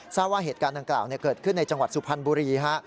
ทราบว่าเหตุการณ์ดังกล่าวเกิดขึ้นในจังหวัดสุพรรณบุรีฮะ